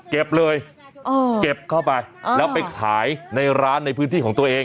เก็บเลยเก็บเข้าไปแล้วไปขายในร้านในพื้นที่ของตัวเอง